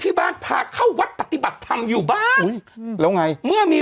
ที่บ้านพาเข้าวัดปฏิบัติธรรมอยู่บ้านอุ้ยแล้วไงเมื่อมี